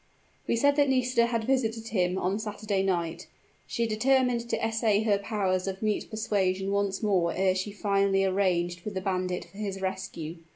We said that Nisida had visited him on Saturday night. She had determined to essay her powers of mute persuasion once more ere she finally arranged with the bandit for his rescue.